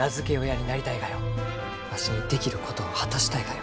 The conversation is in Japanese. わしにできることを果たしたいがよ。